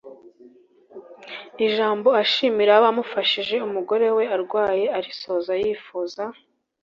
ijambo ashimira abamufashije umugore we arwaye arisoza yifuza